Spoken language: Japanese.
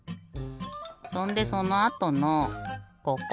そんでそのあとのここ。